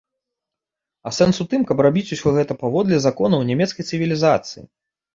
А сэнс у тым, каб рабіць усё гэта паводле законаў нямецкай цывілізацыі.